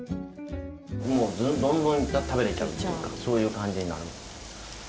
もうどんどん食べれちゃうというかそういう感じになる。